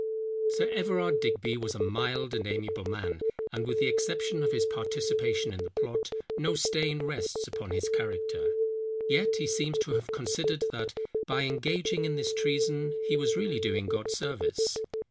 Sir Everard Digby was a mild and amiable man, and, with the exception of his participation in the plot, no stain rests upon his character; yet he seems to have considered that, by engaging in this treason, he was really doing God service.